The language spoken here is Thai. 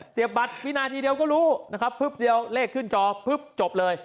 เสียบบัตรวินาทีเดียวก็รู้นะครับเพิ่มเดียวเลขขึ้นจอเพิ่มจบเลย